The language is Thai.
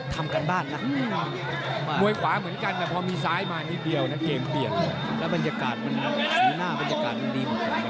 อเจมส์มวยขวาเหมือนกันแต่พอมีซ้ายมานิดเดียวนั่นเกมเปลี่ยนแล้วบรรยากาศมีหน้าบรรยากาศดีมากกว่านี้เพชรปุญญา